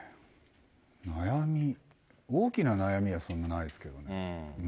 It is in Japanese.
悩み、大きな悩みはそんなないですけどね。